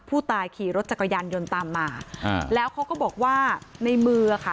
ผู้ตายขี่รถจักรยานยนต์ตามมาอ่าแล้วเขาก็บอกว่าในมืออ่ะค่ะ